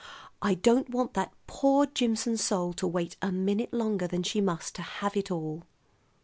"I don't want that poor Jimson soul to wait a minute longer than she must to have it all."